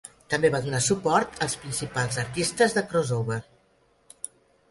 També va donar suport als principals artistes de crossover.